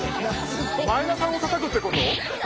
前田さんをたたくってこと？